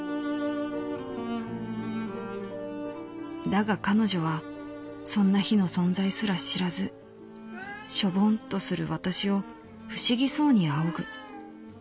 「だが彼女はそんな日の存在すら知らずしょぼんとする私を不思議そうに仰ぐ。